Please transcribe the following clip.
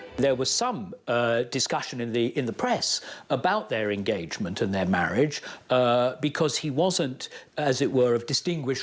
เขาเชื่อมกับช่วงชีวิตเมืองนักโรยกันและมีชีวิตเมืองรัก